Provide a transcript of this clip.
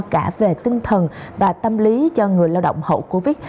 cả về tinh thần và tâm lý cho người lao động hậu covid